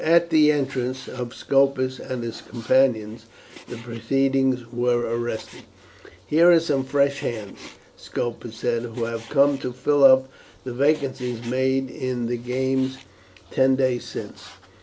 At the entrance of Scopus and his companions the proceedings were arrested. "Here are some fresh hands," Scopus said, "who have come to fill up the vacancies made in the games ten days since.